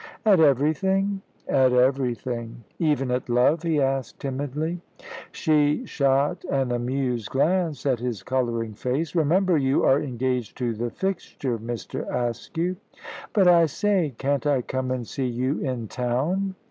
"At everything?" "At everything." "Even at love?" he asked timidly. She shot an amused glance at his colouring face. "Remember you are engaged to the fixture, Mr. Askew." "But I say, can't I come and see you in town?"